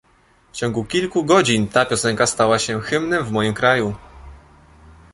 W ciągu kilku godzin ta piosenka stała się hymnem w moim kraju